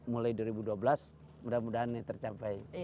mudah mudahan ini tercapai